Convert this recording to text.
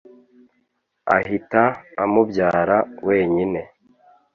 ahita amubyara wenyine.